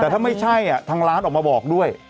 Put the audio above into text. แต่ถ้าไม่ใช่ทางร้านออกมาบอกด้วย